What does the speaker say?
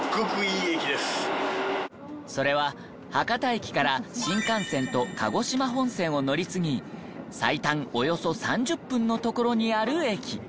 それは博多駅から新幹線と鹿児島本線を乗り継ぎ最短およそ３０分の所にある駅。